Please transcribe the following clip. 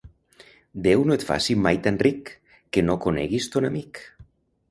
Déu no et faci mai tan ric, que no coneguis ton amic.